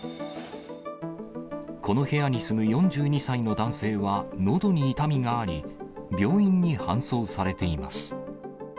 この部屋に住む４２歳の男性は、のどに痛みがあり、病院に搬送されています。